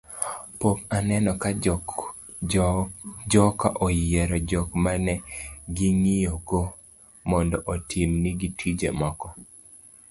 pok aneno ka joka oyiero jok mane ging'iyogo mondo otim nigi tije moko